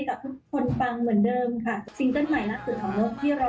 ทำสิ่งที่ดีพี่นกก็เชื่อว่าสิ่งศักดิ์ศิลป์ท่านก็จะอนุมันธนากับเรา